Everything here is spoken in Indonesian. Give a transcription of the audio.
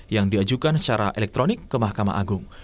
yang diajukan secara elektronik ke mahkamah agung